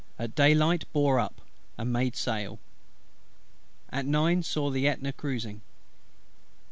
At day light bore up, and made sail. At nine saw the Ætna cruising.